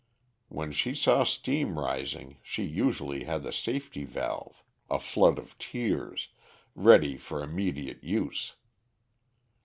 When she saw steam rising, she usually had the safety valve a flood of tears ready for immediate use.